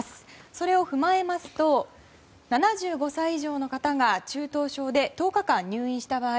それを踏まえますと７５歳以上の方が中等症で１０日間、入院した場合